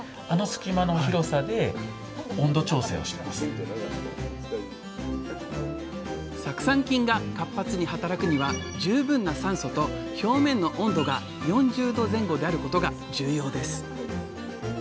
あれ酢酸菌が活発に働くには十分な酸素と表面の温度が４０℃前後であることが重要です。